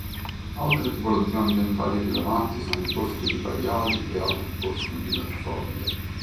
Altre tipologie ambientali rilevanti sono i boschi ripariali e altri boschi di latifoglie.